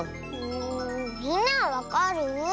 みんなはわかる？